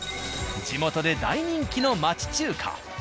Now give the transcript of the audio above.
地元で大人気の町中華。